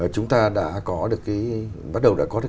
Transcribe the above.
chúng ta đã có được cái bắt đầu đã có được